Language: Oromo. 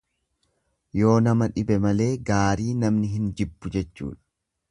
Yoo nama dhibe malee gaarii namni hin jibbu jechuudha.